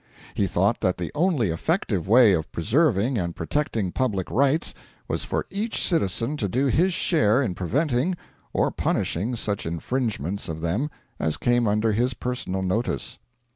He thought that the only effective way of preserving and protecting public rights was for each citizen to do his share in preventing or punishing such infringements of them as came under his personal notice.